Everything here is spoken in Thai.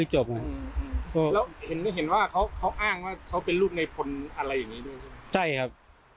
ใช่ครับ